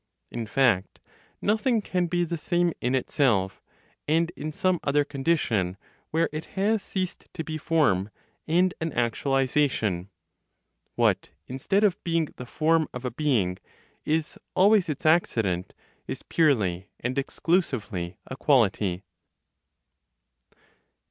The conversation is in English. In fact, nothing can be the same in itself, and in some other condition where it has ceased to be form and an actualization. What, instead of being the form of a being, is always its accident, is purely and exclusively a quality.